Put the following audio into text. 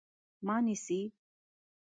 _ما نيسئ؟